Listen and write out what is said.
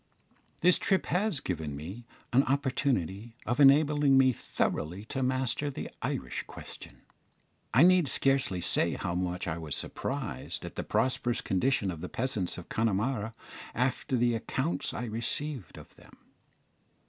This trip has given me an opportunity of enabling me thoroughly to master the Irish question. I need scarcely say how much I was surprised at the prosperous condition of the peasants of Connemara after the accounts I had received of them.